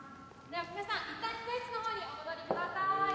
では皆さんいったん控室のほうにお戻りください。